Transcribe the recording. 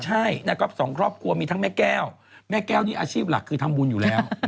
ใช่นะครับสองครอบครัวมีทั้งแม่แก้วแม่แก้วนี่อาชีพหลักคือทำบุญอยู่แล้ว